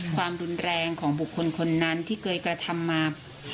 ความรุนแรงของบุคคลคนนั้นที่เคยกระทำมา